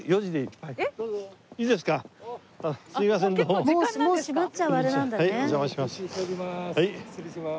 はいお邪魔します。